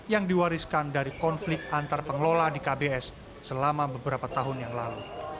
yang diwariskan dari konflik antar pengelola di kbs selama beberapa tahun yang lalu